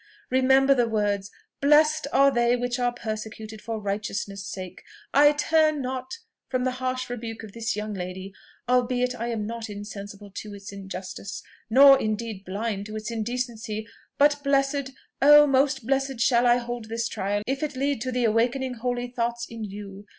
Remember the words 'Blessed are they which are persecuted for righteousness' sake!' I turn not from the harsh rebuke of this young lady, albeit I am not insensible to its injustice, nor, indeed, blind to its indecency. But blessed oh! most blessed shall I hold this trial, if it lead to the awakening holy thoughts in you!